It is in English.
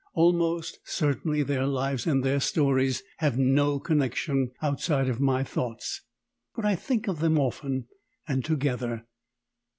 Almost certainly their lives and their stories have no connection outside of my thoughts. But I think of them often, and together.